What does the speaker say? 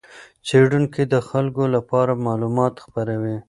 څېړونکي د خلکو لپاره معلومات خپروي.